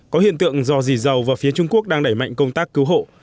có hiện tượng do dì dầu và phía trung quốc đang đẩy mạnh công tác cứu hộ